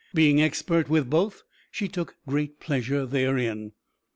Being expert with both, she took great pleasure therein.